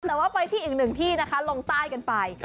แต่ว่าไปที่อีกหนึ่งที่นะคะลงใต้กันไป